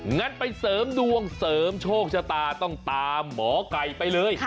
งั้นไปเสริมดวงเสริมโชคชะตาต้องตามหมอไก่ไปเลย